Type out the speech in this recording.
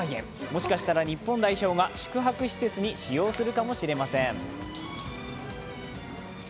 もしかしたら日本代表が宿泊施設に使用するかもしれません。